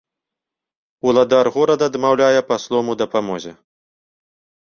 Уладар горада адмаўляе паслом у дапамозе.